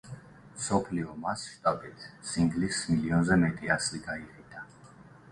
მსოფლიო მასშტაბით სინგლის მილიონზე მეტი ასლი გაიყიდა.